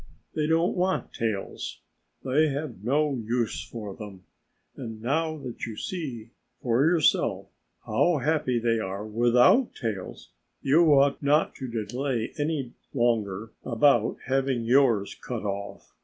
They don't want tails. They have no use for them. And now that you see for yourself how happy they are without tails, you ought not to delay any longer about having yours cut off.